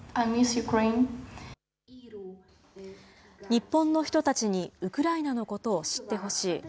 日本の人たちにウクライナのことを知ってほしい。